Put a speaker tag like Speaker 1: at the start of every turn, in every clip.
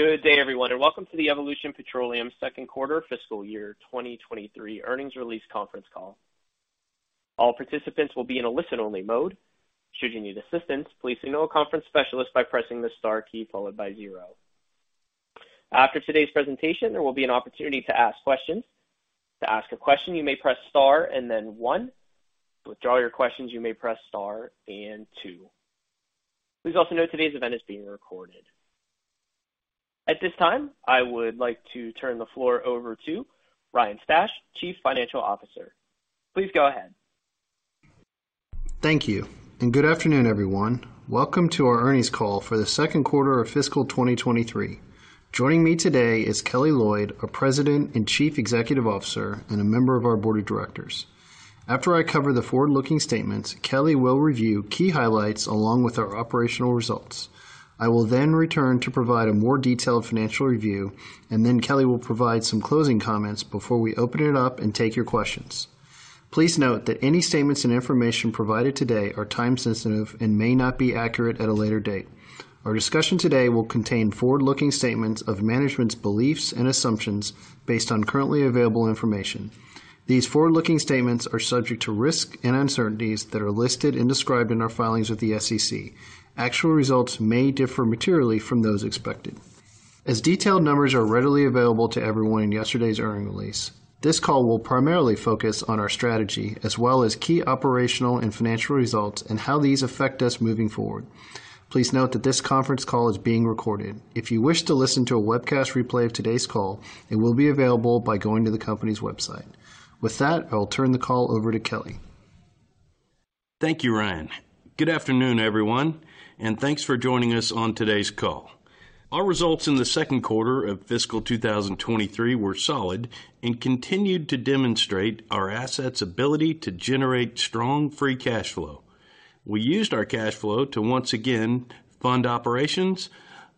Speaker 1: Good day, everyone, and welcome to the Evolution Petroleum second quarter fiscal year 2023 earnings release conference call. All participants will be in a listen-only mode. Should you need assistance, please signal a conference specialist by pressing the star key followed by zero. After today's presentation, there will be an opportunity to ask questions. To ask a question, you may press star and then one. To withdraw your questions, you may press star and two. Please also note today's event is being recorded. At this time, I would like to turn the floor over to Ryan Stash, Chief Financial Officer. Please go ahead.
Speaker 2: Thank you, and good afternoon, everyone. Welcome to our earnings call for the second quarter of fiscal 2023. Joining me today is Kelly Loyd, our President and Chief Executive Officer and a member of our board of directors. After I cover the forward-looking statements, Kelly will review key highlights along with our operational results. I will then return to provide a more detailed financial review, and then Kelly will provide some closing comments before we open it up and take your questions. Please note that any statements and information provided today are time-sensitive and may not be accurate at a later date. Our discussion today will contain forward-looking statements of management's beliefs and assumptions based on currently available information. These forward-looking statements are subject to risks and uncertainties that are listed and described in our filings with the SEC. Actual results may differ materially from those expected. As detailed numbers are readily available to everyone in yesterday's earnings release, this call will primarily focus on our strategy as well as key operational and financial results and how these affect us moving forward. Please note that this conference call is being recorded. If you wish to listen to a webcast replay of today's call, it will be available by going to the company's website. With that, I will turn the call over to Kelly.
Speaker 3: Thank you, Ryan. Good afternoon, everyone, and thanks for joining us on today's call. Our results in the second quarter of fiscal 2023 were solid and continued to demonstrate our assets' ability to generate strong free cash flow. We used our cash flow to once again fund operations.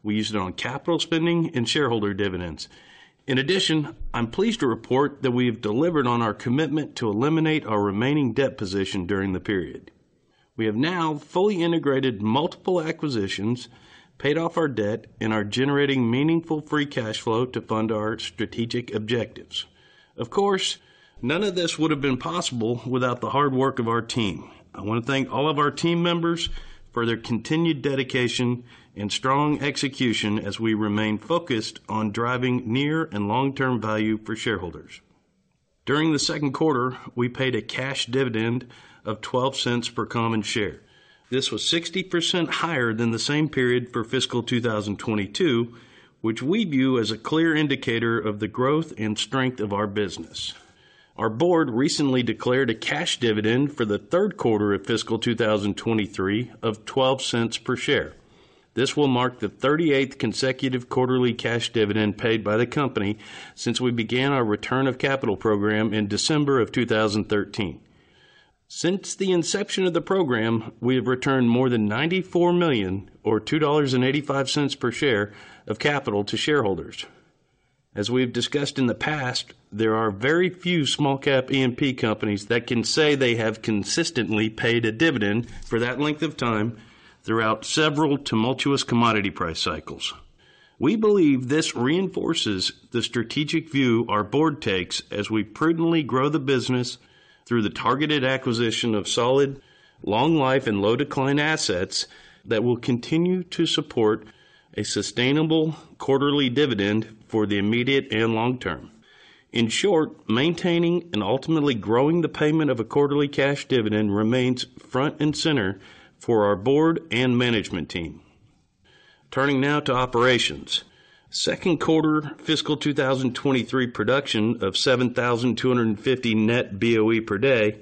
Speaker 3: We used it on capital spending and shareholder dividends. In addition, I'm pleased to report that we have delivered on our commitment to eliminate our remaining debt position during the period. We have now fully integrated multiple acquisitions, paid off our debt, and are generating meaningful free cash flow to fund our strategic objectives. Of course, none of this would have been possible without the hard work of our team. I wanna thank all of our team members for their continued dedication and strong execution as we remain focused on driving near and long-term value for shareholders. During the second quarter, we paid a cash dividend of $0.12 per common share. This was 60% higher than the same period for fiscal 2022, which we view as a clear indicator of the growth and strength of our business. Our board recently declared a cash dividend for the third quarter of fiscal 2023 of $0.12 per share. This will mark the 38th consecutive quarterly cash dividend paid by the company since we began our return of capital program in December of 2013. Since the inception of the program, we have returned more than $94 million or $2.85 per share of capital to shareholders. As we have discussed in the past, there are very few small cap E&P companies that can say they have consistently paid a dividend for that length of time throughout several tumultuous commodity price cycles. We believe this reinforces the strategic view our board takes as we prudently grow the business through the targeted acquisition of solid, long life and low decline assets that will continue to support a sustainable quarterly dividend for the immediate and long term. In short, maintaining and ultimately growing the payment of a quarterly cash dividend remains front and center for our board and management team. Turning now to operations. Second quarter fiscal 2023 production of 7,250 net BOE per day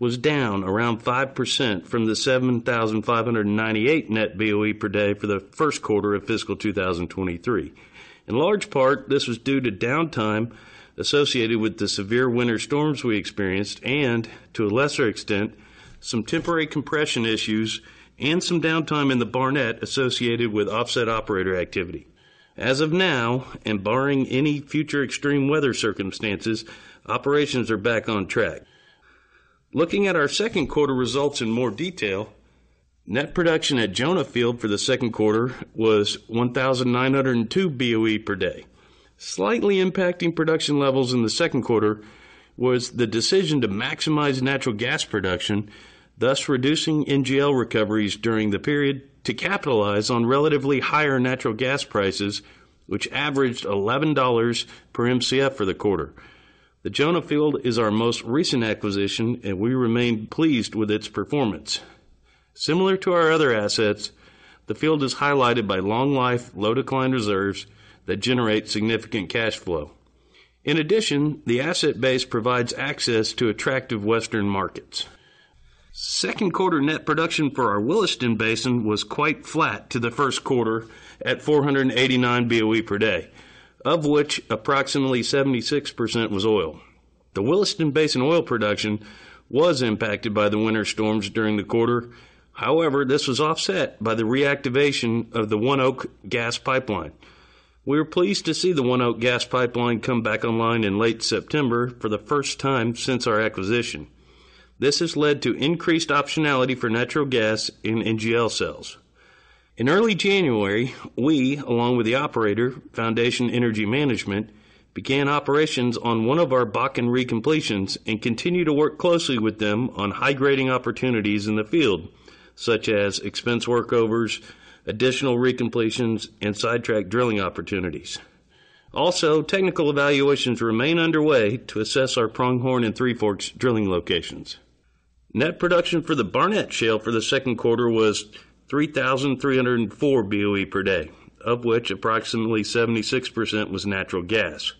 Speaker 3: was down around 5% from the 7,598 net BOE per day for the first quarter of fiscal 2023. In large part, this was due to downtime associated with the severe winter storms we experienced and, to a lesser extent, some temporary compression issues and some downtime in the Barnett associated with offset operator activity. Barring any future extreme weather circumstances, operations are back on track. Looking at our second quarter results in more detail, net production at Jonah Field for the second quarter was 1,902 BOE per day. Slightly impacting production levels in the second quarter was the decision to maximize natural gas production, thus reducing NGL recoveries during the period to capitalize on relatively higher natural gas prices, which averaged $11 per Mcf for the quarter. The Jonah Field is our most recent acquisition, and we remain pleased with its performance. Similar to our other assets, the field is highlighted by long life, low decline reserves that generate significant cash flow. In addition, the asset base provides access to attractive Western markets. Second quarter net production for our Williston Basin was quite flat to the first quarter at 489 BOE per day, of which approximately 76% was oil. The Williston Basin oil production was impacted by the winter storms during the quarter. This was offset by the reactivation of the ONEOK gas pipeline. We were pleased to see the ONEOK gas pipeline come back online in late September for the first time since our acquisition. This has led to increased optionality for natural gas in NGL sales. In early January, we, along with the operator, Foundation Energy Management, began operations on one of our Bakken recompletions and continue to work closely with them on high grading opportunities in the field, such as expense workovers, additional recompletions, and sidetrack drilling opportunities. Also, technical evaluations remain underway to assess our Pronghorn and Three Forks drilling locations. Net production for the Barnett Shale for the second quarter was 3,304 BOE per day, of which approximately 76% was natural gas.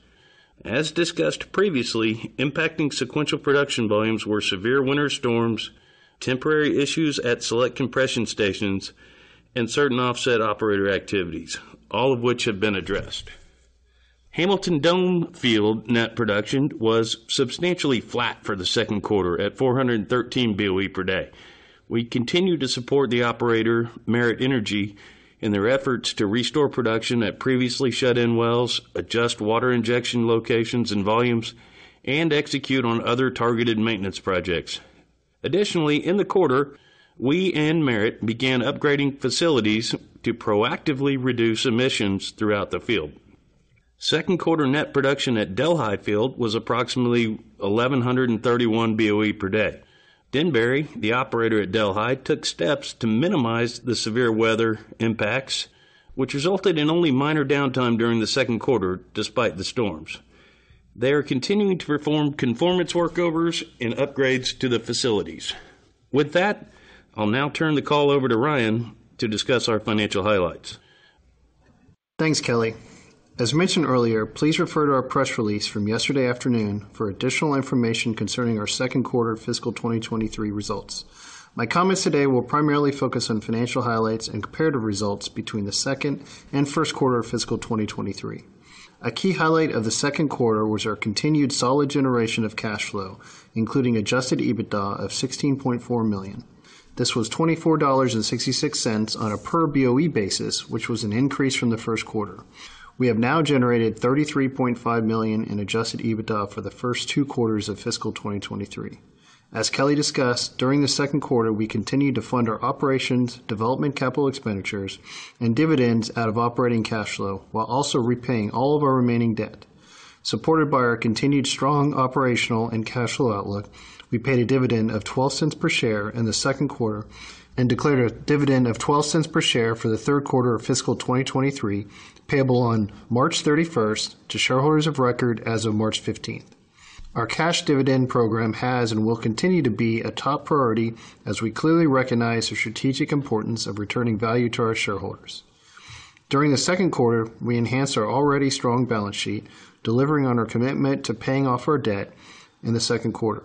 Speaker 3: As discussed previously, impacting sequential production volumes were severe winter storms, temporary issues at select compression stations, and certain offset operator activities, all of which have been addressed. Hamilton Dome Field net production was substantially flat for the second quarter at 413 BOE per day. We continue to support the operator, Merit Energy, in their efforts to restore production at previously shut-in wells, adjust water injection locations and volumes, and execute on other targeted maintenance projects. Additionally, in the quarter, we and Merit began upgrading facilities to proactively reduce emissions throughout the field. Second quarter net production at Delhi Field was approximately 1,131 BOE per day. Denbury, the operator at Delhi, took steps to minimize the severe weather impacts, which resulted in only minor downtime during the second quarter, despite the storms. They are continuing to perform conformance workovers and upgrades to the facilities. With that, I'll now turn the call over to Ryan to discuss our financial highlights.
Speaker 2: Thanks, Kelly. As mentioned earlier, please refer to our press release from yesterday afternoon for additional information concerning our second quarter fiscal 2023 results. My comments today will primarily focus on financial highlights and comparative results between the second and first quarter of fiscal 2023. A key highlight of the second quarter was our continued solid generation of cash flow, including adjusted EBITDA of $16.4 million. This was $24.66 on a per BOE basis, which was an increase from the first quarter. We have now generated $33.5 million in adjusted EBITDA for the first two quarters of fiscal 2023. As Kelly discussed, during the second quarter, we continued to fund our operations, development capital expenditures, and dividends out of operating cash flow while also repaying all of our remaining debt. Supported by our continued strong operational and cash flow outlook, we paid a dividend of $0.12 per share in the second quarter and declared a dividend of $0.12 per share for the third quarter of fiscal 2023, payable on March 31st to shareholders of record as of March 15th. Our cash dividend program has and will continue to be a top priority as we clearly recognize the strategic importance of returning value to our shareholders. During the second quarter, we enhanced our already strong balance sheet, delivering on our commitment to paying off our debt in the second quarter.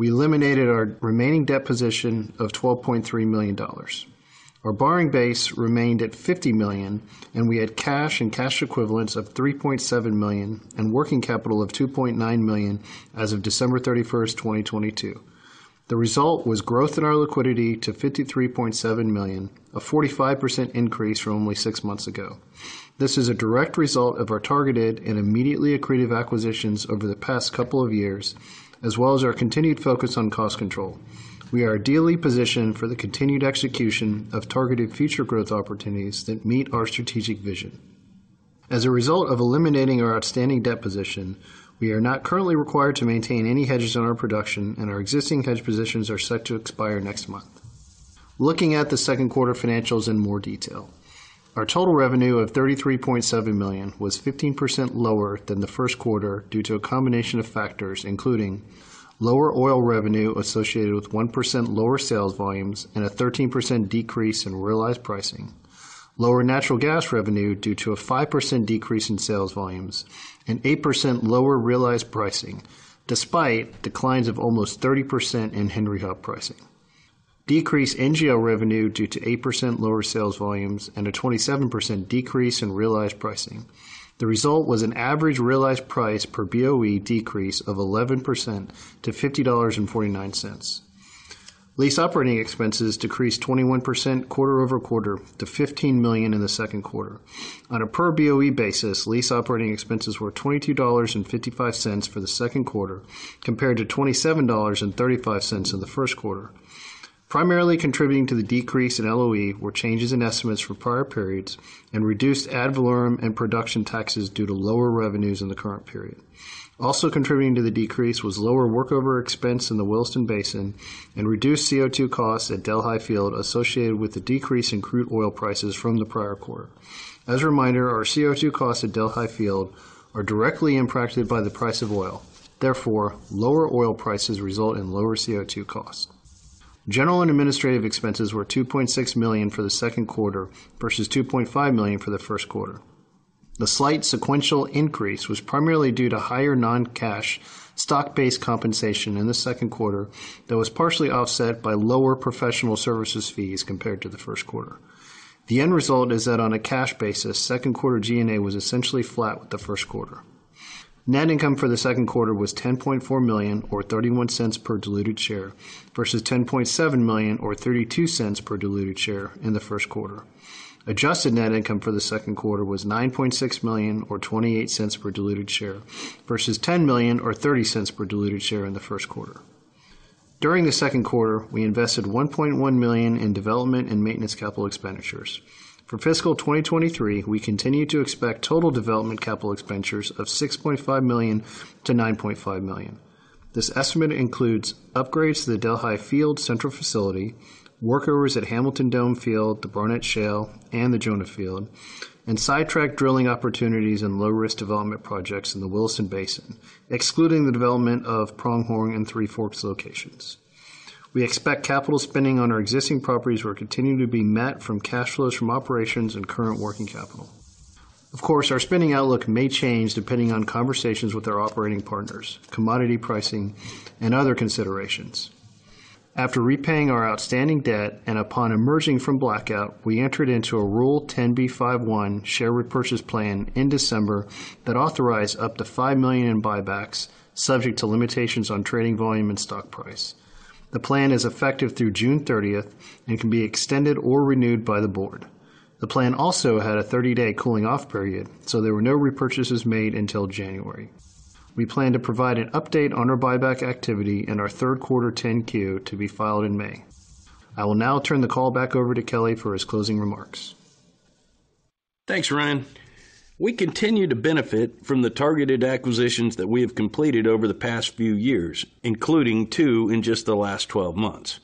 Speaker 2: We eliminated our remaining debt position of $12.3 million. Our borrowing base remained at $50 million, and we had cash and cash equivalents of $3.7 million and working capital of $2.9 million as of December 31st, 2022. The result was growth in our liquidity to $53.7 million, a 45% increase from only six months ago. This is a direct result of our targeted and immediately accretive acquisitions over the past couple of years, as well as our continued focus on cost control. We are ideally positioned for the continued execution of targeted future growth opportunities that meet our strategic vision. As a result of eliminating our outstanding debt position, we are not currently required to maintain any hedges on our production, and our existing hedge positions are set to expire next month. Looking at the second quarter financials in more detail. Our total revenue of $33.7 million was 15% lower than the first quarter due to a combination of factors, including lower oil revenue associated with 1% lower sales volumes and a 13% decrease in realized pricing. Lower natural gas revenue due to a 5% decrease in sales volumes and 8% lower realized pricing, despite declines of almost 30% in Henry Hub pricing. Decreased NGL revenue due to 8% lower sales volumes and a 27% decrease in realized pricing. The result was an average realized price per BOE decrease of 11% to $50.49. Lease operating expenses decreased 21% quarter-over-quarter to $15 million in the second quarter. On a per BOE basis, lease operating expenses were $22.55 for the second quarter, compared to $27.35 in the first quarter. Primarily contributing to the decrease in LOE were changes in estimates for prior periods and reduced ad valorem and production taxes due to lower revenues in the current period. Contributing to the decrease was lower workover expense in the Williston Basin and reduced CO2 costs at Delhi Field associated with the decrease in crude oil prices from the prior quarter. As a reminder, our CO2 costs at Delhi Field are directly impacted by the price of oil. Therefore, lower oil prices result in lower CO2 costs. General and administrative expenses were $2.6 million for the second quarter versus $2.5 million for the first quarter. The slight sequential increase was primarily due to higher non-cash stock-based compensation in the second quarter, that was partially offset by lower professional services fees compared to the first quarter. The end result is that on a cash basis, second quarter G&A was essentially flat with the first quarter. Net income for the second quarter was $10.4 million or $0.31 per diluted share, versus $10.7 million or $0.32 per diluted share in the first quarter. Adjusted net income for the second quarter was $9.6 million or $0.28 per diluted share, versus $10 million or $0.30 per diluted share in the first quarter. During the second quarter, we invested $1.1 million in development and maintenance capital expenditures. For fiscal 2023, we continue to expect total development capital expenditures of $6.5 million-$9.5 million. This estimate includes upgrades to the Delhi Field central facility, workovers at Hamilton Dome Field, the Barnett Shale, and the Jonah Field, and sidetrack drilling opportunities and low-risk development projects in the Williston Basin, excluding the development of Pronghorn and Three Forks locations. We expect capital spending on our existing properties will continue to be met from cash flows from operations and current working capital. Of course, our spending outlook may change depending on conversations with our operating partners, commodity pricing, and other considerations. After repaying our outstanding debt and upon emerging from blackout, we entered into a Rule 10b5-1 share repurchase plan in December that authorized up to $5 million in buybacks, subject to limitations on trading volume and stock price. The plan is effective through June 30th and can be extended or renewed by the board. There were no repurchases made until January. We plan to provide an update on our buyback activity in our third quarter 10-Q to be filed in May. I will now turn the call back over to Kelly for his closing remarks.
Speaker 3: Thanks, Ryan. We continue to benefit from the targeted acquisitions that we have completed over the past few years, including two in just the last 12 months.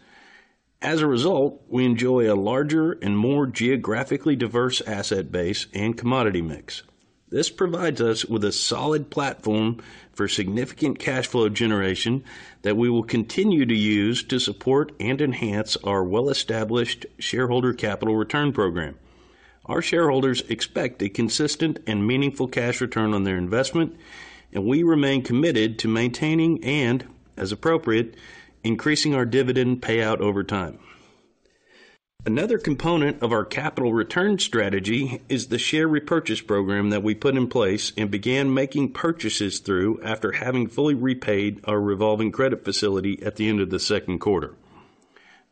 Speaker 3: As a result, we enjoy a larger and more geographically diverse asset base and commodity mix. This provides us with a solid platform for significant cash flow generation that we will continue to use to support and enhance our well-established shareholder capital return program. Our shareholders expect a consistent and meaningful cash return on their investment, and we remain committed to maintaining and, as appropriate, increasing our dividend payout over time. Another component of our capital return strategy is the share repurchase program that we put in place and began making purchases through after having fully repaid our revolving credit facility at the end of the second quarter.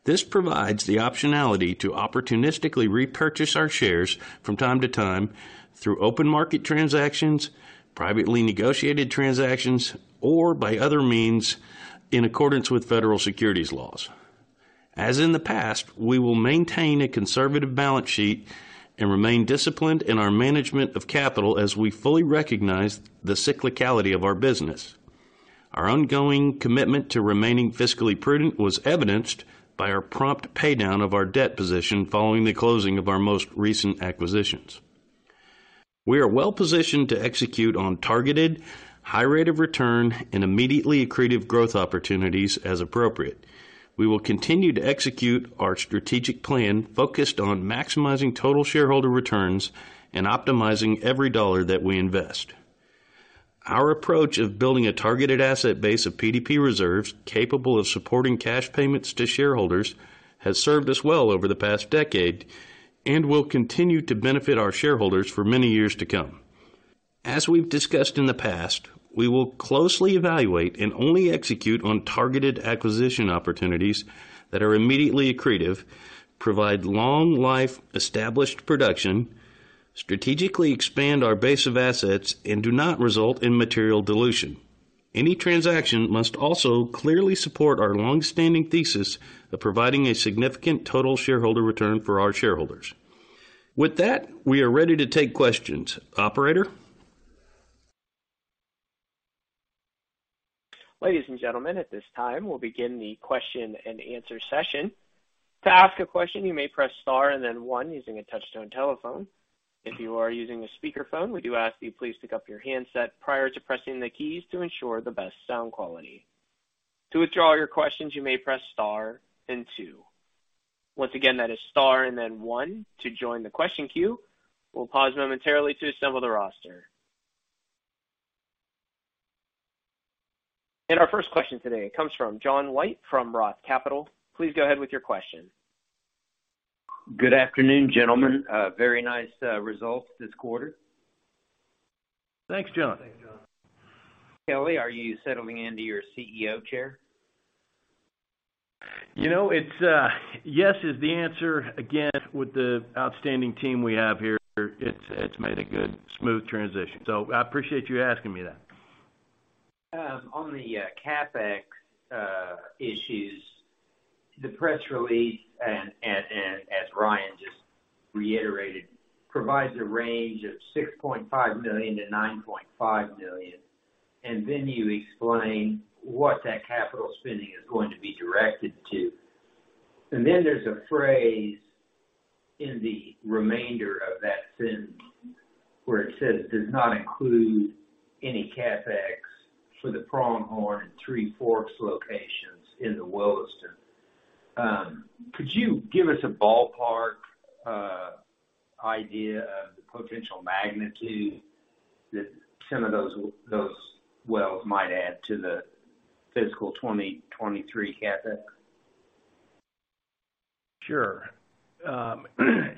Speaker 3: This provides the optionality to opportunistically repurchase our shares from time to time through open market transactions, privately negotiated transactions, or by other means in accordance with federal securities laws. As in the past, we will maintain a conservative balance sheet and remain disciplined in our management of capital as we fully recognize the cyclicality of our business. Our ongoing commitment to remaining fiscally prudent was evidenced by our prompt paydown of our debt position following the closing of our most recent acquisitions. We are well positioned to execute on targeted, high rate of return, and immediately accretive growth opportunities as appropriate. We will continue to execute our strategic plan focused on maximizing total shareholder returns and optimizing every dollar that we invest. Our approach of building a targeted asset base of PDP reserves capable of supporting cash payments to shareholders has served us well over the past decade and will continue to benefit our shareholders for many years to come. As we've discussed in the past, we will closely evaluate and only execute on targeted acquisition opportunities that are immediately accretive, provide long life established production, strategically expand our base of assets, and do not result in material dilution. Any transaction must also clearly support our longstanding thesis of providing a significant total shareholder return for our shareholders. With that, we are ready to take questions. Operator?
Speaker 1: Ladies and gentlemen, at this time, we'll begin the question-and-answer session. To ask a question, you may press star and then one using a touchtone telephone. If you are using a speakerphone, we do ask that you please pick up your handset prior to pressing the keys to ensure the best sound quality. To withdraw your questions, you may press star then two. Once again, that is star and then one to join the question queue. We'll pause momentarily to assemble the roster. Our first question today comes from John White from Roth Capital. Please go ahead with your question.
Speaker 4: Good afternoon, gentlemen. Very nice results this quarter.
Speaker 3: Thanks, John.
Speaker 2: Thanks, John.
Speaker 4: Kelly, are you settling into your CEO chair?
Speaker 3: You know, it's, yes is the answer. Again, with the outstanding team we have here, it's made a good, smooth transition. I appreciate you asking me that.
Speaker 4: On the CapEx issues, the press release and as Ryan just reiterated, provides a range of $6.5 million-$9.5 million. You explain what that capital spending is going to be directed to. There's a phrase in the remainder of that sentence where it says, "Does not include any CapEx for the Pronghorn and Three Forks locations in the Williston." Could you give us a ballpark idea of the potential magnitude that some of those wells might add to the fiscal 2023 CapEx?
Speaker 3: Sure.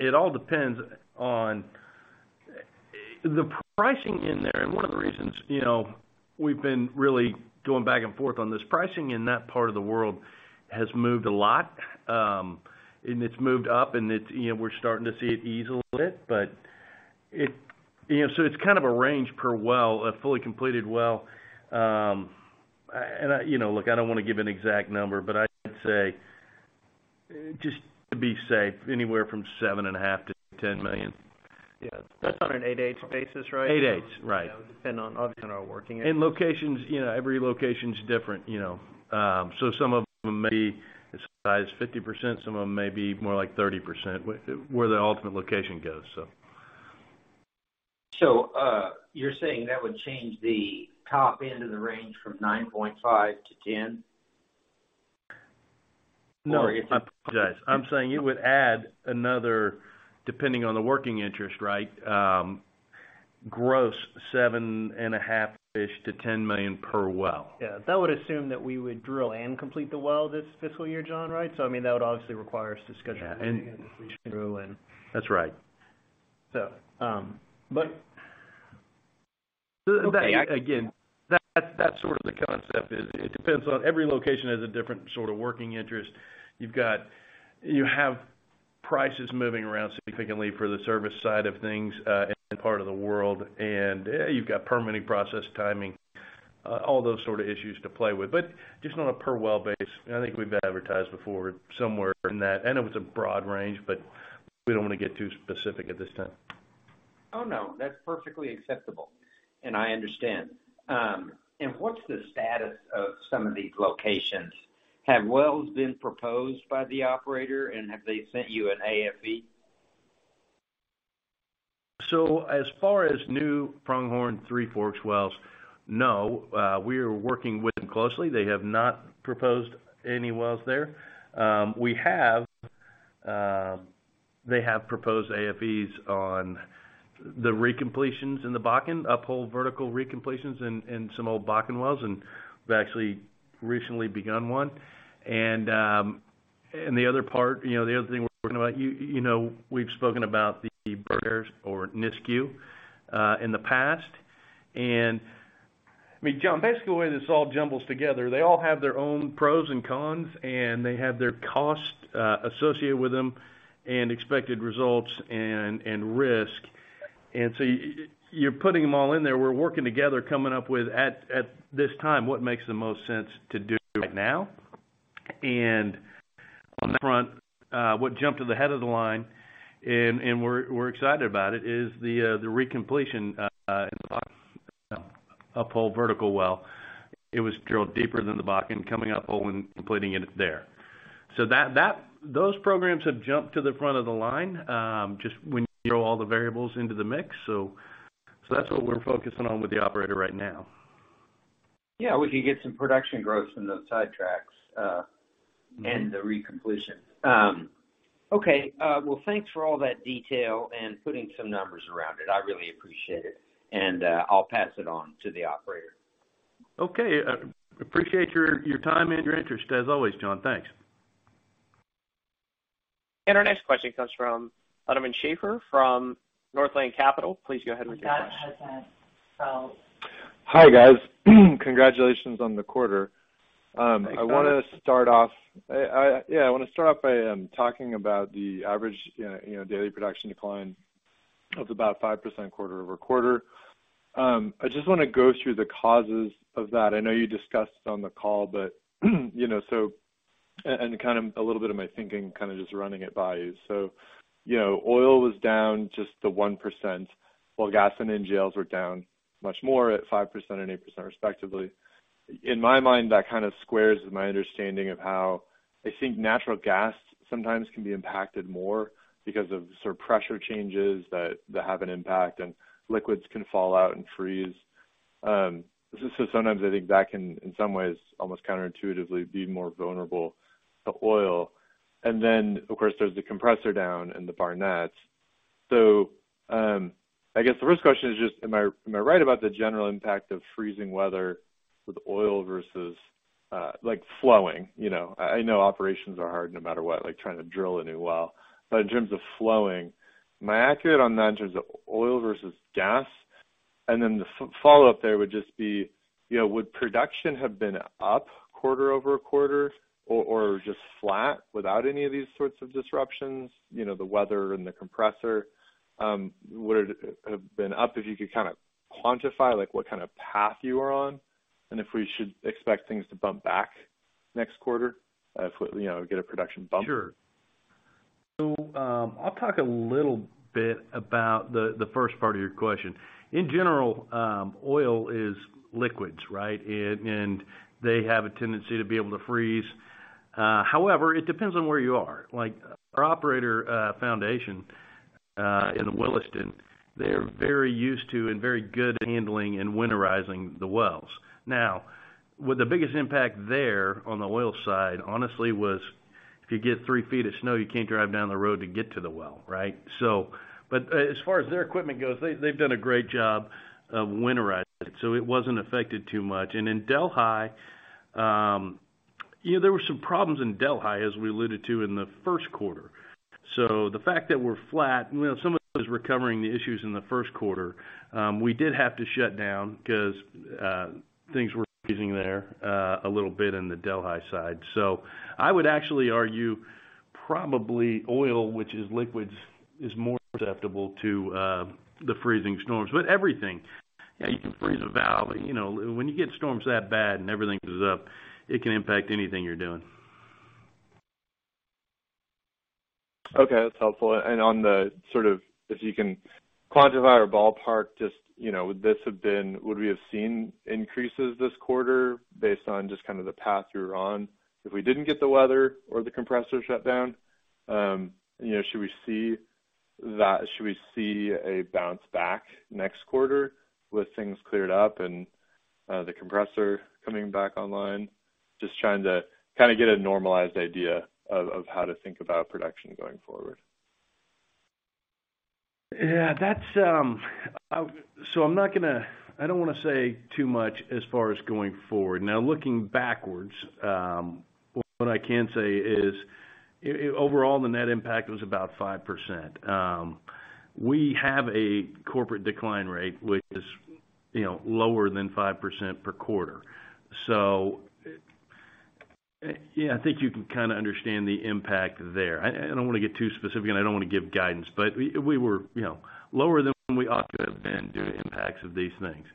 Speaker 3: It all depends on the pricing in there. One of the reasons, you know, we've been really going back and forth on this pricing in that part of the world has moved a lot, and it's moved up, and it's, you know, we're starting to see it ease a little bit. You know, it's kind of a range per well, a fully completed well. You know, look, I don't wanna give an exact number, but I'd say just to be safe, anywhere from seven and a half to $10 million.
Speaker 4: Yeah. That's on an eight-eight basis, right?
Speaker 3: Eight-eights, right.
Speaker 4: You know, depending on, obviously, on our working-
Speaker 3: Locations, you know, every location's different, you know. So some of them may be as high as 50%, some of them may be more like 30% where the ultimate location goes, so.
Speaker 4: You're saying that would change the top end of the range from 9.5-10?
Speaker 3: No. I apologize. I'm saying it would add another, depending on the working interest, right, gross seven and a half-ish million to $10 million per well.
Speaker 4: Yeah. That would assume that we would drill and complete the well this fiscal year, John, right? I mean, that would obviously require us to schedule through and.
Speaker 3: That's right.
Speaker 4: Okay.
Speaker 3: Again, that's sort of the concept is it depends on every location has a different sort of working interest. You have prices moving around significantly for the service side of things, in part of the world, and, you've got permitting process timing, all those sorta issues to play with. Just on a per well base, and I think we've advertised before somewhere in that, and it was a broad range, but we don't wanna get too specific at this time.
Speaker 4: Oh, no. That's perfectly acceptable, and I understand. What's the status of some of these locations? Have wells been proposed by the operator, and have they sent you an AFE?
Speaker 3: As far as new Pronghorn Three Forks wells, no. We are working with them closely. They have not proposed any wells there. They have proposed AFVs on the recompletions in the Bakken, uphold vertical recompletions in some old Bakken wells, and we've actually recently begun one. The other part, you know, the other thing we're talking about, you know, we've spoken about the Breton or Nisku in the past. I mean, John, basically, the way this all jumbles together, they all have their own pros and cons, and they have their cost associated with them and expected results and risk. You're putting them all in there. We're working together, coming up with, at this time, what makes the most sense to do right now. On that front, what jumped to the head of the line, and we're excited about it, is the recompletion in the Bakken, uphold vertical well. It was drilled deeper than the Bakken, coming up and completing it there. Those programs have jumped to the front of the line, just when you throw all the variables into the mix. That's what we're focusing on with the operator right now.
Speaker 4: We can get some production growth from those sidetracks.
Speaker 3: Mm-hmm.
Speaker 4: The recompletion. Okay. Well, thanks for all that detail and putting some numbers around it. I really appreciate it. I'll pass it on to the operator.
Speaker 3: Okay. appreciate your time and your interest as always, John. Thanks.
Speaker 1: Our next question comes from Donovan Schafer from Northland Capital Markets. Please go ahead with your question.
Speaker 5: Hi, guys. Congratulations on the quarter.
Speaker 3: Thanks, guys.
Speaker 5: Yeah, I wanna start off by talking about the average, you know, daily production decline of about 5% quarter-over-quarter. I just wanna go through the causes of that. I know you discussed it on the call, you know, kind of a little bit of my thinking, kinda just running it by you. You know, oil was down just to 1%, while gas and NGLs were down much more at 5% and 8% respectively. In my mind, that kinda squares with my understanding of how I think natural gas sometimes can be impacted more because of sort of pressure changes that have an impact, and liquids can fall out and freeze. Sometimes I think that can, in some ways, almost counterintuitively be more vulnerable to oil. Of course, there's the compressor down in the Barnett. I guess the first question is just, am I right about the general impact of freezing weather with oil versus, like, flowing, you know? I know operations are hard no matter what, like, trying to drill a new well. In terms of flowing, am I accurate on that in terms of oil versus gas? The follow-up there would just be, you know, would production have been up quarter-over-quarter or just flat without any of these sorts of disruptions, you know, the weather and the compressor? Would it have been up, if you could kinda quantify, like, what kinda path you are on, and if we should expect things to bump back next quarter, if we, you know, get a production bump?
Speaker 3: Sure. I'll talk a little bit about the first part of your question. In general, oil is liquids, right? They have a tendency to be able to freeze. However, it depends on where you are. Like, our operator, Foundation, in the Williston, they're very used to and very good at handling and winterizing the wells. With the biggest impact there on the oil side, honestly, was if you get 3 ft of snow, you can't drive down the road to get to the well, right? As far as their equipment goes, they've done a great job of winterizing, so it wasn't affected too much. In Delhi, you know, there were some problems in Delhi, as we alluded to in the first quarter. The fact that we're flat, you know, some of it was recovering the issues in the first quarter. We did have to shut down 'cause things were freezing there a little bit in the Delhi side. I would actually argue probably oil, which is liquids, is more susceptible to the freezing storms. Everything, you can freeze a valve, but, you know, when you get storms that bad and everything is up, it can impact anything you're doing.
Speaker 5: Okay, that's helpful. On the sort of if you can quantify or ballpark just, you know, would we have seen increases this quarter based on just kind of the path you were on? If we didn't get the weather or the compressor shut down, you know, should we see that? Should we see a bounce back next quarter with things cleared up and the compressor coming back online? Just trying to kind of get a normalized idea of how to think about production going forward.
Speaker 3: That's, so I'm not gonna, I don't wanna say too much as far as going forward. Looking backwards, what I can say is overall the net impact was about 5%. We have a corporate decline rate which is, you know, lower than 5% per quarter. Yeah, I think you can kind of understand the impact there. I don't want to get too specific, and I don't want to give guidance, but we were, you know, lower than we ought to have been due to impacts of these things,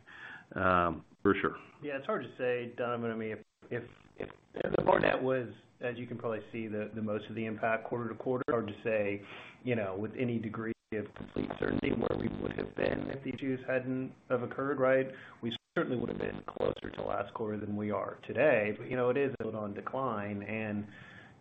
Speaker 3: for sure.
Speaker 2: Yeah, it's hard to say, Donovan. I mean, if the Barnett was, as you can probably see, the most of the impact quarter to quarter, it's hard to say, you know, with any degree of complete certainty where we would have been if these issues hadn't have occurred, right? We certainly would have been closer to last quarter than we are today. You know, it is built on decline and,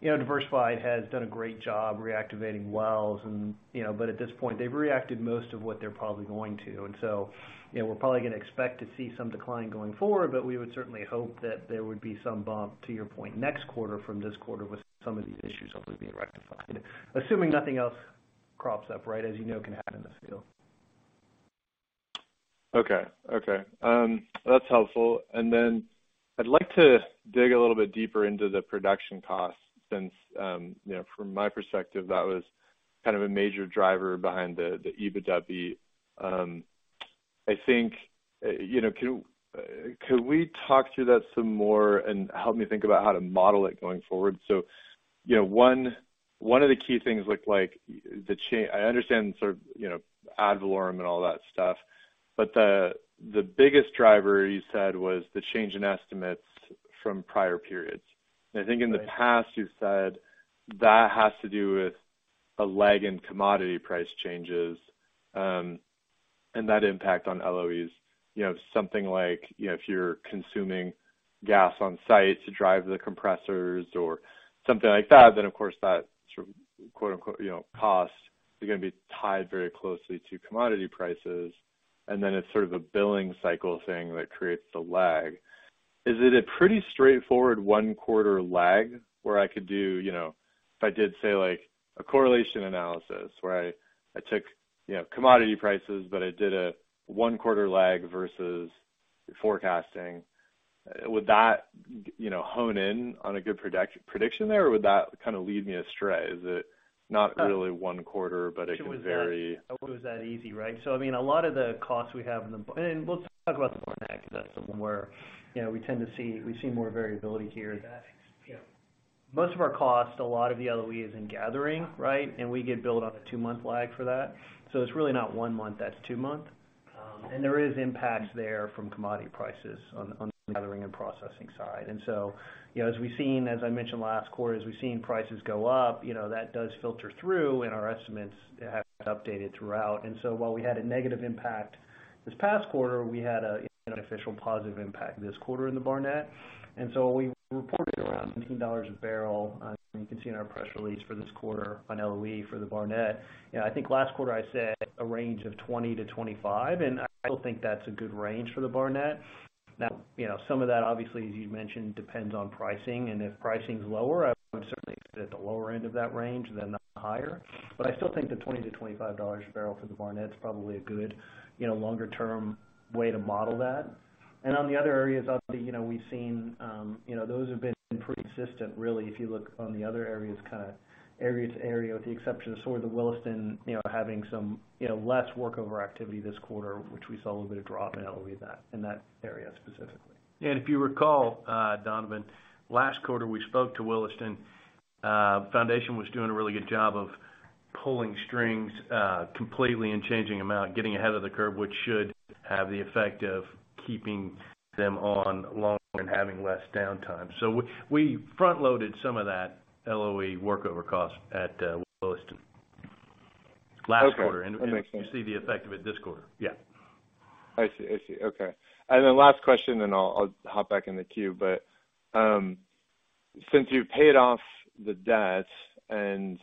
Speaker 2: you know, Diversified has done a great job reactivating wells and, you know. At this point, they've reacted most of what they're probably going to. You know, we're probably gonna expect to see some decline going forward, but we would certainly hope that there would be some bump, to your point, next quarter from this quarter with some of these issues hopefully being rectified. Assuming nothing else crops up, right, as you know can happen in this field.
Speaker 5: Okay. Okay. That's helpful. Then I'd like to dig a little bit deeper into the production costs since, you know, from my perspective, that was kind of a major driver behind the EBITDA beat. I think, you know, can, could we talk through that some more and help me think about how to model it going forward? You know, one of the key things looked like I understand sort of, you know, ad valorem and all that stuff, but the biggest driver you said was the change in estimates from prior periods.
Speaker 3: Right.
Speaker 5: I think in the past you've said that has to do with a lag in commodity price changes, and that impact on LOE. You know, something like, you know, if you're consuming gas on site to drive the compressors or something like that, then of course that sort of, quote-unquote, you know, cost is gonna be tied very closely to commodity prices. Then it's sort of a billing cycle thing that creates the lag. Is it a pretty straightforward one quarter lag where I could do, you know, if I did say like a correlation analysis where I took, you know, commodity prices, but I did a one quarter lag versus forecasting. Would that, you know, hone in on a good prediction there? Or would that kind of lead me astray? Is it not really one quarter, but it could vary?
Speaker 2: I wish it was that easy, right? I mean, a lot of the costs we have in the, we'll talk about the Barnett because that's somewhere, you know, we see more variability here. Most of our costs, a lot of the LOE is in gathering, right? We get billed on a two-month lag for that. It's really not one month, that's two months. There is impacts there from commodity prices on the gathering and processing side. You know, as I mentioned last quarter, as we've seen prices go up, you know, that does filter through and our estimates have been updated throughout. While we had a negative impact this past quarter, we had an artificial positive impact this quarter in the Barnett. We reported around $17 a barrel, you can see in our press release for this quarter on LOE for the Barnett. You know, I think last quarter I said a range of $20-$25, and I still think that's a good range for the Barnett. Now, you know, some of that obviously, as you mentioned, depends on pricing, and if pricing is lower, I would certainly sit at the lower end of that range than the higher. I still think the $20-$25 a barrel for the Barnett is probably a good, you know, longer term way to model that. On the other areas, obviously, you know, we've seen, you know, those have been pretty consistent really, if you look on the other areas, kinda area to area, with the exception of sort of the Williston, you know, having some, you know, less workover activity this quarter, which we saw a little bit of drop in LOE in that area specifically.
Speaker 3: If you recall, Donovan, last quarter we spoke to Williston. Foundation was doing a really good job of pulling strings, completely and changing them out, getting ahead of the curve, which should have the effect of keeping them on longer and having less downtime. We front-loaded some of that LOE workover cost at Williston last quarter.
Speaker 5: Okay. That makes sense.
Speaker 3: You see the effect of it this quarter. Yeah.
Speaker 5: I see. I see. Okay. Last question, and I'll hop back in the queue. Since you've paid off the debt and,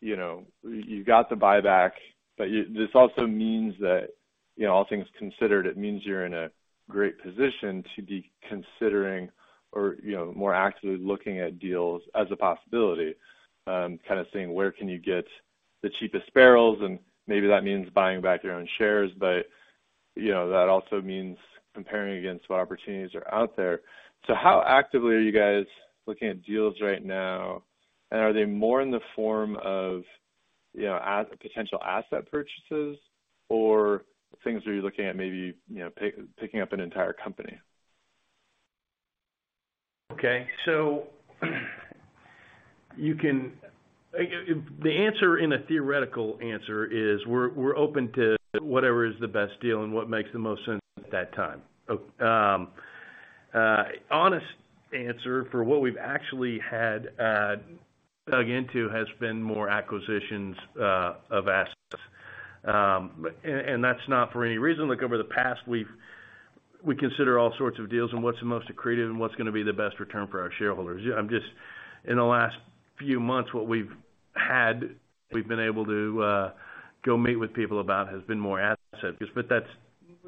Speaker 5: you know, you've got the buyback, but this also means that, you know, all things considered, it means you're in a great position to be considering or, you know, more actively looking at deals as a possibility. Kind of seeing where can you get the cheapest barrels, and maybe that means buying back your own shares. You know, that also means comparing against what opportunities are out there. How actively are you guys looking at deals right now? Are they more in the form of, you know, as potential asset purchases or things where you're looking at maybe, you know, picking up an entire company?
Speaker 3: Okay. The answer in a theoretical answer is we're open to whatever is the best deal and what makes the most sense at that time. Honest answer for what we've actually had dug into has been more acquisitions of assets. That's not for any reason. Look, over the past, we consider all sorts of deals and what's the most accretive and what's gonna be the best return for our shareholders. In the last few months, what we've had, we've been able to go meet with people about has been more asset-centric.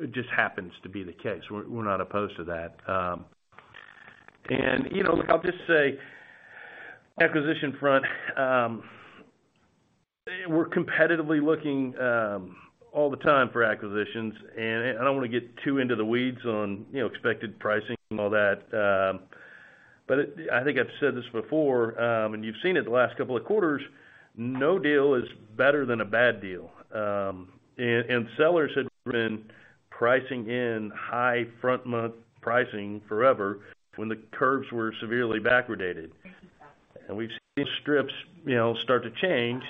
Speaker 3: It just happens to be the case. We're, we're not opposed to that. You know, look, I'll just say, acquisition front, we're competitively looking all the time for acquisitions. I don't wanna get too into the weeds on, you know, expected pricing and all that. I think I've said this before, and you've seen it the last couple of quarters, no deal is better than a bad deal. Sellers had been pricing in high front-month pricing forever when the curves were severely backwardated. We've seen strips, you know, start to change.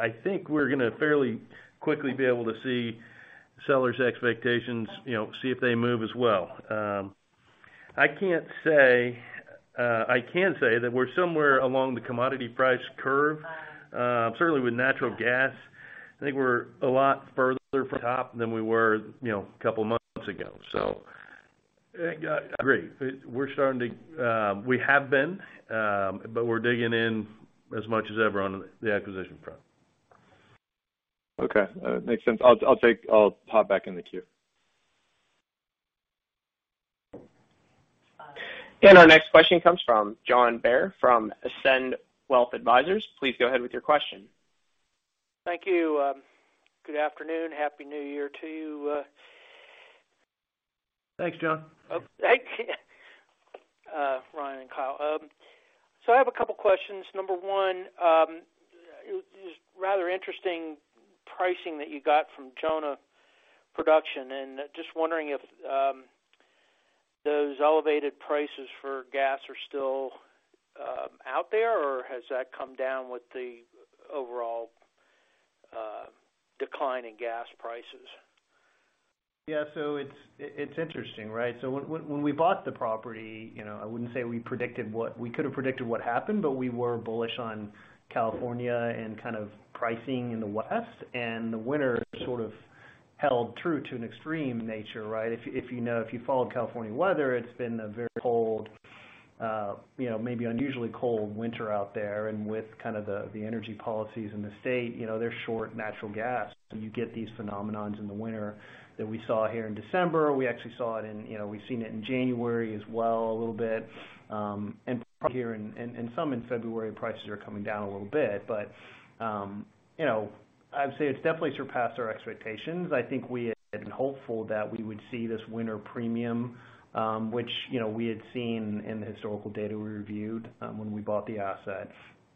Speaker 3: I think we're gonna fairly quickly be able to see sellers' expectations, you know, see if they move as well. I can say that we're somewhere along the commodity price curve, certainly with natural gas. I think we're a lot further from the top than we were, you know, a couple months ago. Yeah, I agree. We have been, but we're digging in as much as ever on the acquisition front.
Speaker 5: Okay. That makes sense. I'll pop back in the queue.
Speaker 1: Our next question comes from John Baer from Ascend Wealth Advisors. Please go ahead with your question.
Speaker 6: Thank you. Good afternoon. Happy New Year to you.
Speaker 3: Thanks, John.
Speaker 6: Thank you, Ryan and Kelly. I have a couple questions. Number one, it was rather interesting pricing that you got from Jonah production. Just wondering if those elevated prices for gas are still out there, or has that come down with the overall decline in gas prices?
Speaker 2: It's interesting, right? When, when we bought the property, you know, I wouldn't say we predicted what. We could have predicted what happened, but we were bullish on California and kind of pricing in the West, and the winter sort of held true to an extreme nature, right? If you know, if you followed California weather, it's been a very cold, you know, maybe unusually cold winter out there. With kind of the energy policies in the state, you know, they're short natural gas. You get these phenomenons in the winter that we saw here in December. We actually saw it in, you know, we've seen it in January as well, a little bit, and probably here in some in February, prices are coming down a little bit. You know, I'd say it's definitely surpassed our expectations. I think we had been hopeful that we would see this winter premium, which, you know, we had seen in the historical data we reviewed, when we bought the asset,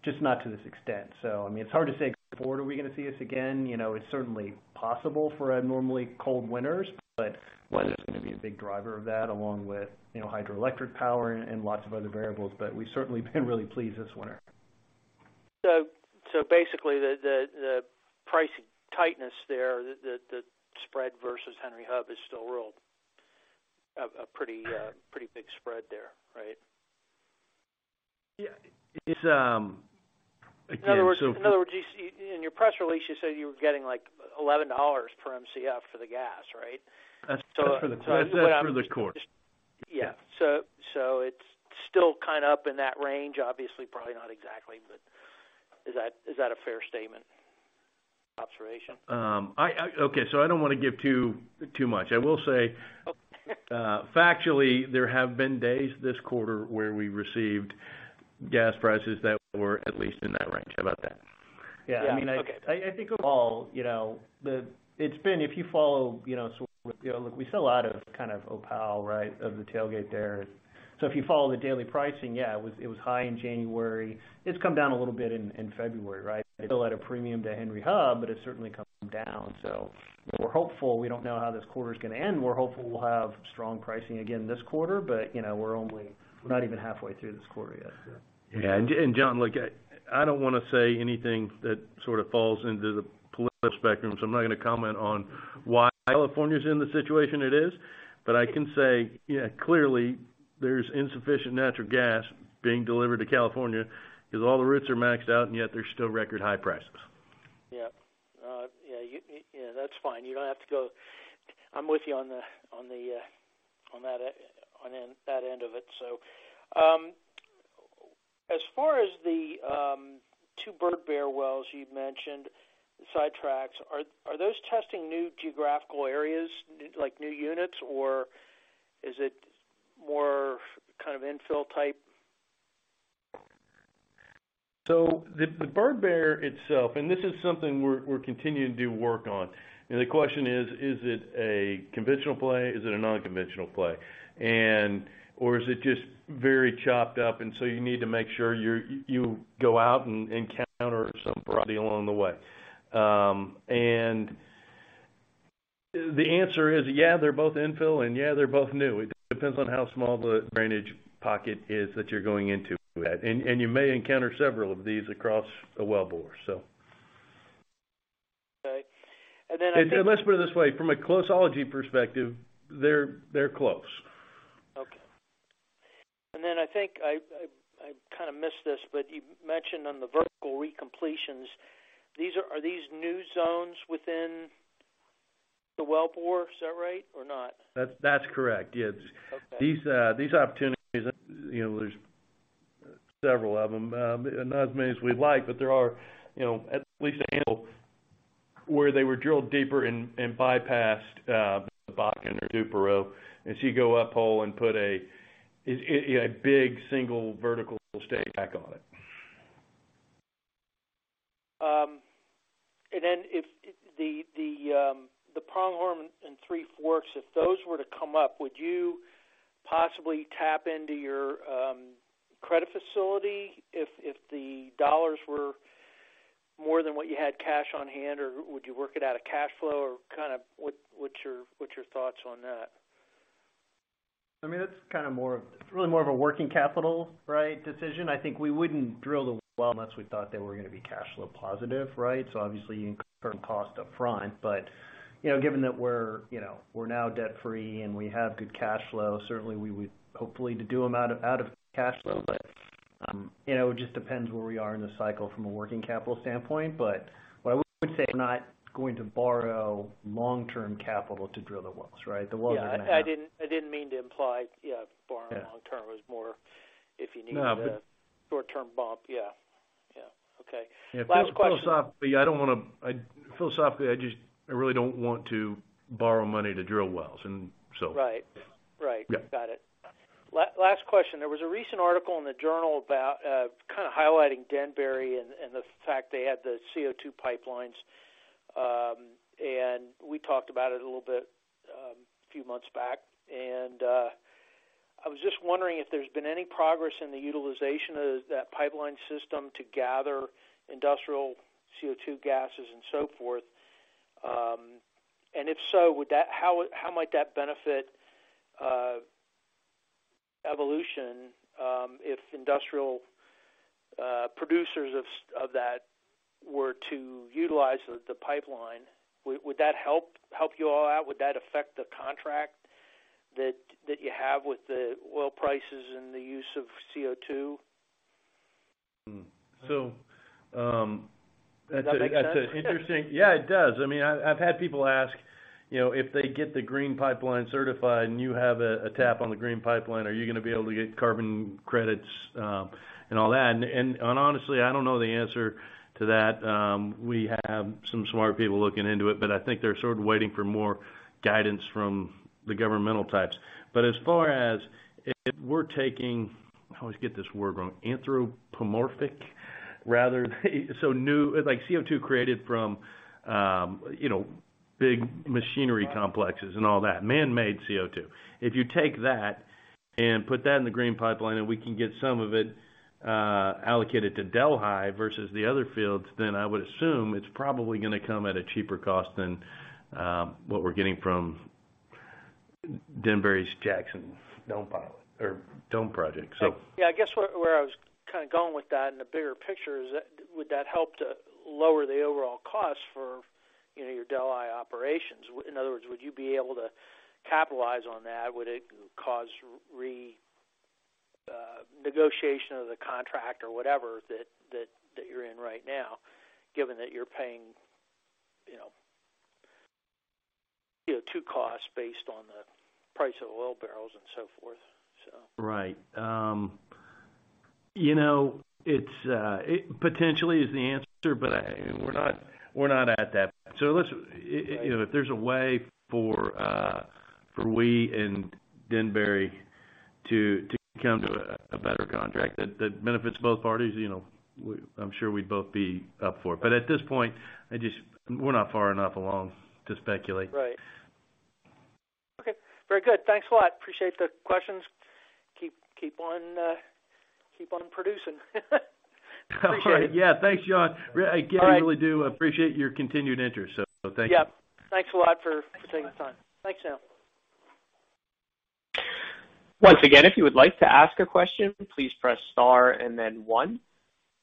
Speaker 2: just not to this extent. I mean, it's hard to say going forward, are we gonna see this again? You know, it's certainly possible for abnormally cold winters, but weather's gonna be a big driver of that, along with, you know, hydroelectric power and lots of other variables. We've certainly been really pleased this winter.
Speaker 6: Basically, the pricing tightness there, the spread versus Henry Hub is still real. A pretty big spread there, right?
Speaker 2: Yeah. It's, again, if you.
Speaker 6: In other words, In your press release, you said you were getting, like, $11 per Mcf for the gas, right?
Speaker 3: That's for the time. That's after the course.
Speaker 6: Yeah. It's still kind of up in that range, obviously. Probably not exactly, but is that a fair statement? Observation?
Speaker 3: I Okay, I don't wanna give too much. I will say.
Speaker 6: Okay.
Speaker 3: Factually, there have been days this quarter where we received gas prices that were at least in that range. How about that?
Speaker 2: Yeah.
Speaker 6: Yeah. Okay.
Speaker 2: I mean, I think overall, you know, It's been, if you follow, you know, Look, we sell a lot of, kind of, Opal, right? Of the tailgate there. If you follow the daily pricing, yeah, it was high in January. It's come down a little bit in February, right? Still at a premium to Henry Hub, but it's certainly come down. We're hopeful. We don't know how this quarter's going to end. We're hopeful we'll have strong pricing again this quarter, but, you know, We're not even halfway through this quarter yet, so.
Speaker 3: Yeah. John, look, I don't wanna say anything that sort of falls into the political spectrum, so I'm not gonna comment on why California's in the situation it is. I can say, yeah, clearly, there's insufficient natural gas being delivered to California because all the routes are maxed out, and yet there's still record high prices.
Speaker 6: Yeah. Yeah, that's fine. You don't have to go. I'm with you on the, on that end of it. As far as the two Birdbear wells you'd mentioned, the sidetracks, are those testing new geographical areas, like new units, or is it more kind of infill type?
Speaker 3: The Birdbear itself, and this is something we're continuing to do work on. The question is it a conventional play? Is it an unconventional play? Or is it just very chopped up, and so you need to make sure you go out and encounter some property along the way. The answer is, yeah, they're both infill, and yeah, they're both new. It depends on how small the drainage pocket is that you're going into that. You may encounter several of these across a wellbore, so.
Speaker 6: Okay. I think.
Speaker 3: let's put it this way, from a closeology perspective, they're close.
Speaker 6: Okay. Then I think I kinda missed this, but you mentioned on the vertical recompletions, are these new zones within the wellbore? Is that right or not?
Speaker 3: That's correct. Yeah.
Speaker 6: Okay.
Speaker 3: These opportunities, you know, there's several of them. Not as many as we'd like, but there are, you know, at least annual where they were drilled deeper and bypassed Bakken or Duperow. You go uphole and put a big single vertical stage back on it.
Speaker 6: If the Pronghorn and Three Forks, if those were to come up, would you possibly tap into your credit facility if the dollars were more than what you had cash on hand, or would you work it out of cash flow? Or kind of what's your thoughts on that?
Speaker 2: I mean, it's really more of a working capital, right, decision. I think we wouldn't drill the well unless we thought they were gonna be cash flow positive, right? Obviously you incur cost up front. Given that we're, you know, we're now debt-free and we have good cash flow, certainly we would hopefully to do 'em out of cash flow. You know, it just depends where we are in the cycle from a working capital standpoint. What I would say, we're not going to borrow long-term capital to drill the wells, right? The wells are gonna.
Speaker 6: Yeah. I didn't mean to imply.
Speaker 2: Yeah.
Speaker 6: borrowing long term. It was more if you needed a short-term bump. Yeah. Yeah. Okay. Last question.
Speaker 3: Yeah. Philosophically, I just, I really don't want to borrow money to drill wells.
Speaker 6: Right. Right.
Speaker 3: Yeah.
Speaker 6: Got it. Last question. There was a recent article in the journal about kinda highlighting Denbury and the fact they had the CO2 pipelines. We talked about it a little bit a few months back. I was just wondering if there's been any progress in the utilization of that pipeline system to gather industrial CO2 gases and so forth. If so, how might that benefit Evolution, if industrial producers of that were to utilize the pipeline, would that help you all out? Would that affect the contract that you have with the oil prices and the use of CO2?
Speaker 3: So, um, that's a that's an interesting. Yeah, it does. I've had people ask, you know, if they get the Green Pipeline certified and you have a tap on the Green Pipeline, are you gonna be able to get carbon credits and all that? Honestly, I don't know the answer to that. We have some smart people looking into it, but I think they're sort of waiting for more guidance from the governmental types. As far as if we're taking, I always get this word wrong, anthropogenic rather so new. Like CO2 created from, you know, big machinery complexes and all that, manmade CO2. If you take that and put that in the Green Pipeline, and we can get some of it allocated to Delhi versus the other fields, then I would assume it's probably gonna come at a cheaper cost than what we're getting from Denbury's Jackson Dome pilot or Dome project.
Speaker 6: I guess where I was kind of going with that in the bigger picture is that, would that help to lower the overall cost for, you know, your Delhi operations? In other words, would you be able to capitalize on that? Would it cause negotiation of the contract or whatever that you're in right now, given that you're paying, you know, you know, 2 costs based on the price of oil barrels and so forth.
Speaker 3: Right. You know, it's, it potentially is the answer, but we're not at that. Let's. You know, if there's a way for we and Denbury to come to a better contract that benefits both parties, you know, I'm sure we'd both be up for it. At this point, we're not far enough along to speculate.
Speaker 6: Right. Okay. Very good. Thanks a lot. Appreciate the questions. Keep on producing. Appreciate it.
Speaker 3: Yeah. Thanks, John.
Speaker 6: All right.
Speaker 3: I really do appreciate your continued interest, so thank you.
Speaker 6: Yeah. Thanks a lot for taking the time.
Speaker 2: Thanks a lot.
Speaker 6: Thanks, some.
Speaker 1: Once again, if you would like to ask a question, please press star and then one.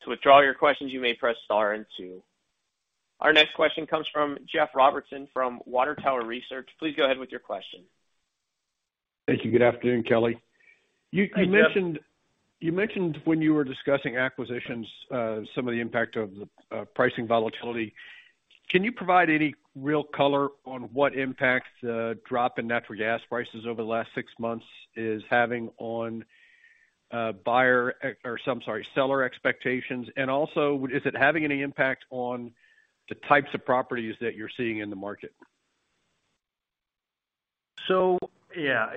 Speaker 1: To withdraw your questions, you may press star and two. Our next question comes from Jeff Robertson from Water Tower Research. Please go ahead with your question.
Speaker 7: Thank you. Good afternoon, Kelly.
Speaker 3: Hi, Jeff.
Speaker 7: You mentioned when you were discussing acquisitions, some of the impact of the pricing volatility. Can you provide any real color on what impacts the drop in natural gas prices over the last 6 months is having on, or I'm sorry, seller expectations? Also, is it having any impact on the types of properties that you're seeing in the market?
Speaker 3: Yeah.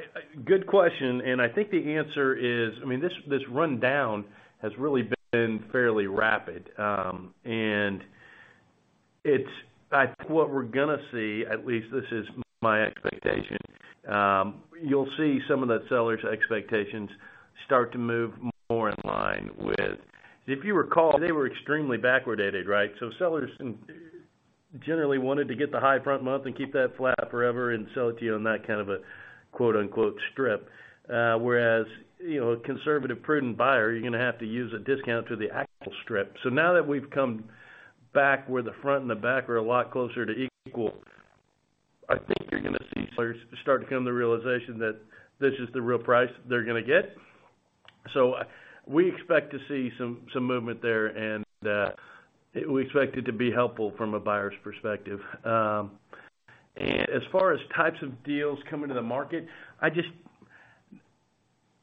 Speaker 3: Good question, and I think the answer is, I mean, this rundown has really been fairly rapid. And I think what we're gonna see, at least this is my expectation, you'll see some of the sellers' expectations start to move more in line with. If you recall, they were extremely backwardated, right? Sellers generally wanted to get the high front month and keep that flat forever and sell it to you on that kind of a quote-unquote strip. Whereas, you know, a conservative, prudent buyer, you're gonna have to use a discount to the actual strip. Now that we've come back where the front and the back are a lot closer to equal, I think you're gonna see sellers start to come to the realization that this is the real price they're gonna get. We expect to see some movement there, and we expect it to be helpful from a buyer's perspective. As far as types of deals coming to the market, I just.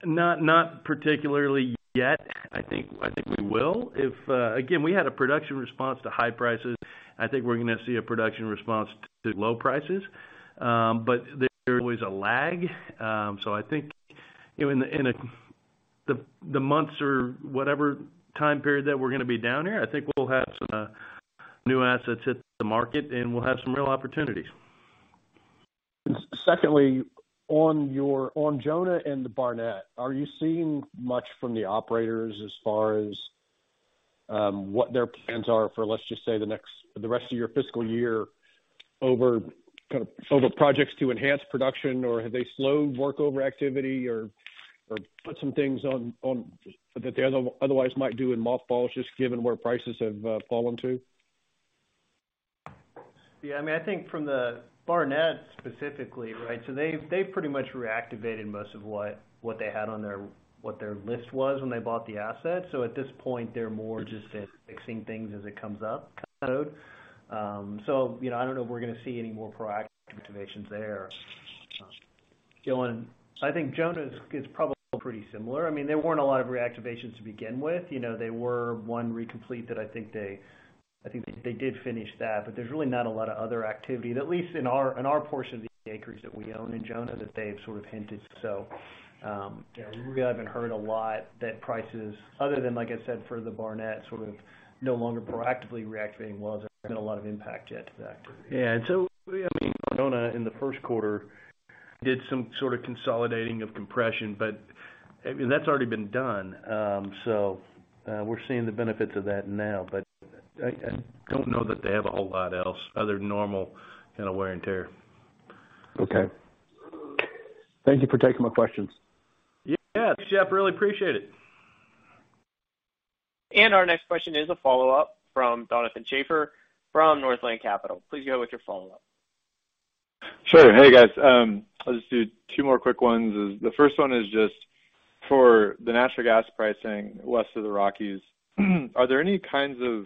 Speaker 3: Not particularly yet. I think we will. If, again, we had a production response to high prices. I think we're gonna see a production response to low prices. There's always a lag. I think, you know, in the months or whatever time period that we're gonna be down here, I think we'll have some new assets hit the market, and we'll have some real opportunities.
Speaker 7: Secondly, on Jonah and the Barnett, are you seeing much from the operators as far as what their plans are for, let's just say, the rest of your fiscal year over projects to enhance production? Or have they slowed work over activity or put some things on that they otherwise might do in mothballs, just given where prices have fallen to?
Speaker 2: Yeah, I mean, I think from the Barnett specifically, right, they've pretty much reactivated most of what they had on their what their list was when they bought the asset. At this point, they're more just fixing things as it comes up kind of. You know, I don't know if we're gonna see any more proactive activations there. Dylan, I think Jonah is probably pretty similar. I mean, there weren't a lot of reactivations to begin with. You know, there were one recomplete that I think they did finish that, but there's really not a lot of other activity, at least in our portion of the acreage that we own in Jonah that they've sort of hinted. Yeah, we really haven't heard a lot that prices other than, like I said, for the Barnett, sort of no longer proactively reactivating wells, there's been a lot of impact yet to that.
Speaker 3: Yeah. I mean, Donovan Schafer in the first quarter did some sort of consolidating of compression, but I mean, that's already been done. We're seeing the benefits of that now, but I don't know that they have a whole lot else other than normal kind of wear and tear.
Speaker 7: Okay. Thank you for taking my questions.
Speaker 3: Yeah. Thanks, Jeff, really appreciate it.
Speaker 1: Our next question is a follow-up from Donovan Schafer from Northland Capital. Please go with your follow-up.
Speaker 5: Sure. Hey, guys. I'll just do two more quick ones. The first one is just for the natural gas pricing west of the Rockies. Are there any kinds of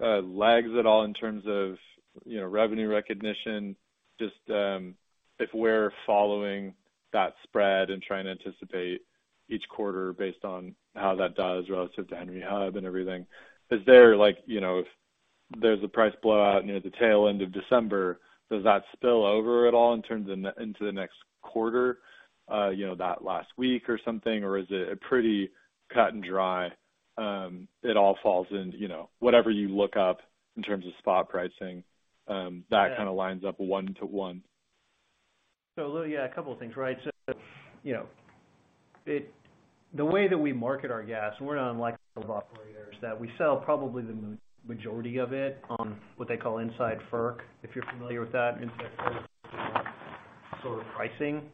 Speaker 5: lags at all in terms of, you know, revenue recognition? Just, if we're following that spread and trying to anticipate each quarter based on how that does relative to Henry Hub and everything, is there, like, you know, if there's a price blowout near the tail end of December, does that spill over at all in terms of into the next quarter, you know, that last week or something? Or is it a pretty cut and dry, it all falls into, you know, whatever you look up in terms of spot pricing, that kinda lines up one-to-one?
Speaker 2: Yeah, a couple of things, right? You know, the way that we market our gas, and we're not unlike most operators, that we sell probably the majority of it on what they call Inside FERC, if you're familiar with that, inside sort of pricing.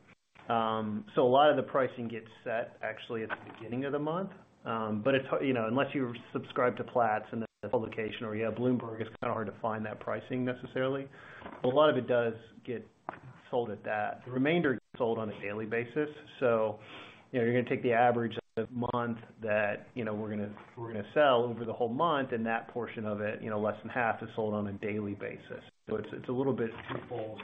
Speaker 2: A lot of the pricing gets set actually at the beginning of the month. It's, you know, unless you subscribe to Platts in the publication or you have Bloomberg, it's kinda hard to find that pricing necessarily. A lot of it does get sold at that. The remainder is sold on a daily basis. You know, you're gonna take the average of the month that, you know, we're gonna, we're gonna sell over the whole month, and that portion of it, you know, less than half, is sold on a daily basis. It's a little bit twofold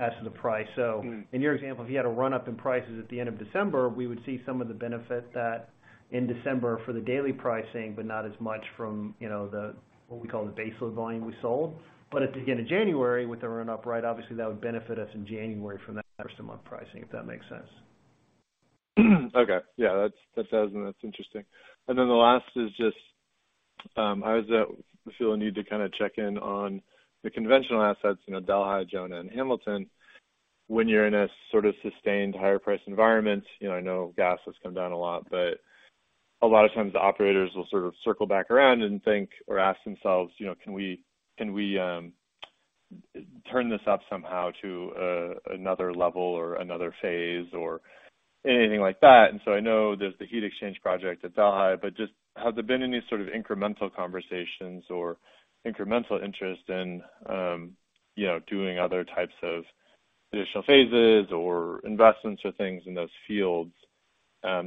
Speaker 2: as to the price. In your example, if you had a run-up in prices at the end of December, we would see some of the benefit that in December for the daily pricing, but not as much from, you know, the what we call the baseload volume we sold. At the end of January with the run-up, right, obviously, that would benefit us in January from that first-of-the-month pricing, if that makes sense?
Speaker 5: Okay. Yeah, that's awesome. That's interesting. The last is just, I was feeling the need to kinda check in on the conventional assets, you know, Delhi, Jonah, and Hamilton. When you're in a sort of sustained higher price environment, you know, I know gas has come down a lot, but a lot of times the operators will sort of circle back around and think or ask themselves, you know, "Can we turn this up somehow to another level or another phase or anything like that?" I know there's the heat exchange project at Delhi, but just have there been any sort of incremental conversations or incremental interest in, you know, doing other types of additional phases or investments or things in those fields?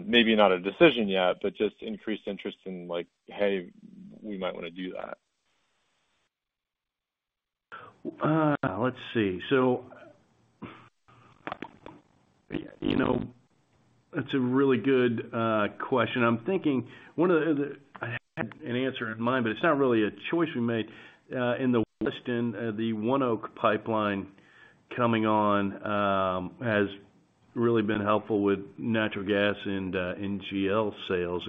Speaker 5: Maybe not a decision yet, but just increased interest in, like, "Hey, we might wanna do that.
Speaker 3: Let's see. You know, that's a really good question. I'm thinking I had an answer in mind, but it's not really a choice we made. In the Weston, the ONEOK pipeline coming on has really been helpful with natural gas and NGL sales.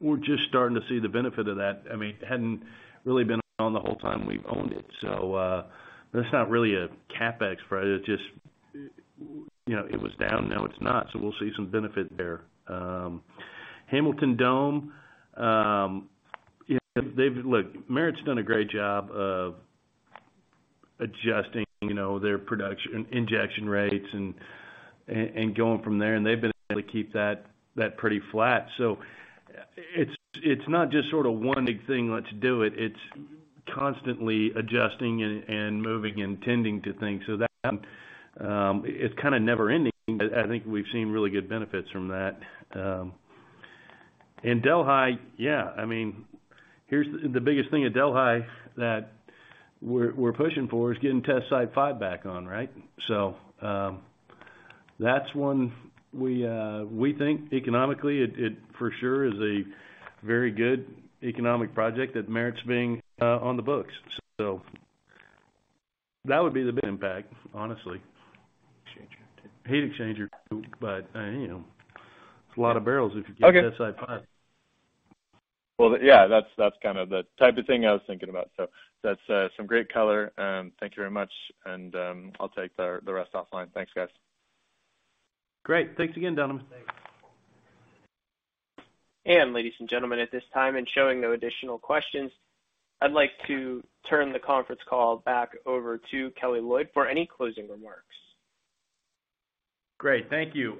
Speaker 3: We're just starting to see the benefit of that. I mean, it hadn't really been on the whole time we've owned it, that's not really a CapEx, right? It just, you know, it was down, now it's not, so we'll see some benefit there. Hamilton Dome, you know. Look, Merit's done a great job of adjusting, you know, their production injection rates and going from there, and they've been able to keep that pretty flat. It's not just sort of one big thing, let's do it. It's constantly adjusting and moving and tending to things so that it's kinda never ending. I think we've seen really good benefits from that. In Delhi, yeah. I mean, the biggest thing at Delhi that we're pushing for is getting test site five back on, right? That's one we think economically it for sure is a very good economic project that merits being on the books. That would be the big impact, honestly. Heat exchanger, but, you know, it's a lot of barrels if you.
Speaker 5: Okay.
Speaker 3: Test site five.
Speaker 5: Well, yeah, that's kind of the type of thing I was thinking about. That's some great color and thank you very much. I'll take the rest offline. Thanks, guys.
Speaker 3: Great. Thanks again, Denham.
Speaker 5: Thanks.
Speaker 1: Ladies and gentlemen, at this time, and showing no additional questions, I'd like to turn the conference call back over to Kelly Loyd for any closing remarks.
Speaker 3: Great. Thank you.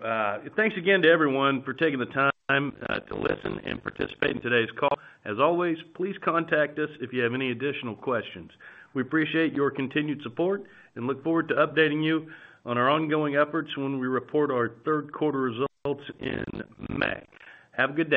Speaker 3: Thanks again to everyone for taking the time to listen and participate in today's call. As always, please contact us if you have any additional questions. We appreciate your continued support and look forward to updating you on our ongoing efforts when we report our third quarter results in May. Have a good day.